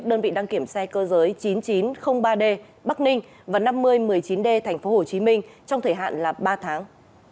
đơn vị đăng kiểm xe cơ giới chín nghìn chín trăm linh ba d bắc ninh và năm nghìn một mươi chín d tp hcm trong thời hạn ba tháng